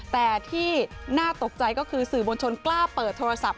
แต่ที่น่าตกใจก็คือสื่อมวลชนกล้าเปิดโทรศัพท์